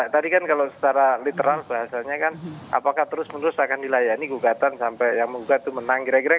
tadi kan kalau secara literal bahasanya kan apakah terus menerus akan dilayani gugatan sampai yang menggugat itu menang kira kira